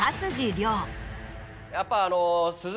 やっぱあの。